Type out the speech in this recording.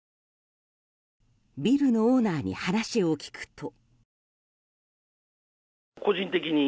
ビルのオーナーに話を聞くと。